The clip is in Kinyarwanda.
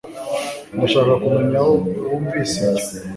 Ndashaka kumenya aho wumvise ibyo